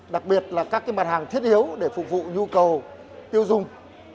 đặc biệt là các mặt hàng thiết yếu để phục vụ nhu cầu tiêu dùng